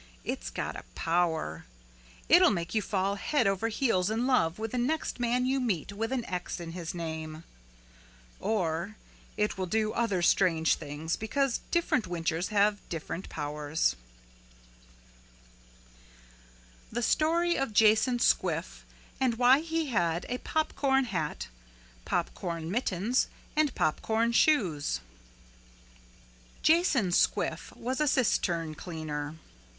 It's got a power. It'll make you fall head over heels in love with the next man you meet with an X in his name. Or it will do other strange things because different whinchers have different powers. The Story of Jason Squiff and Why He Had a Popcorn Hat, Popcorn Mittens and Popcorn Shoes Jason Squiff was a cistern cleaner.